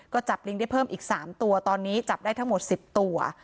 ก็จับลิงได้เพิ่มอีก๓ตัวตอนนี้จับได้ทั้งหมด๑๐ตัว